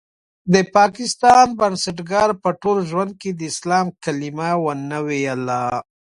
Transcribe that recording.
د پاکستان بنسټګر په ټول ژوند کې د اسلام کلمه ونه ويله.